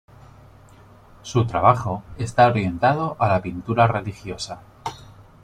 Su trabajo está orientado a la pintura religiosa.